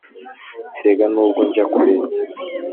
erega nubwo njya kure,